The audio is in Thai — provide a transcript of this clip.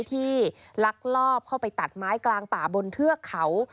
ลักลอบเข้าไปตัดไม้กลางป่าบนเทือกเขา